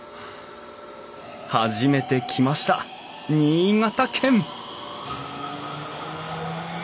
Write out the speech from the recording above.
初めて来ました新潟県！